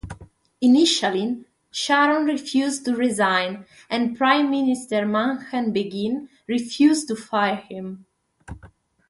Initially, Sharon refused to resign, and Prime Minister Menachem Begin refused to fire him.